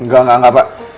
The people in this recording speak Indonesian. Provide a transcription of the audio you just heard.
enggak enggak enggak pak